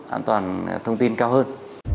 an toàn thông tin cao hơn